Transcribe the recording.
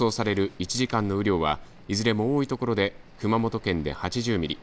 １時間の雨量はいずれも多い所で熊本県で８０ミリ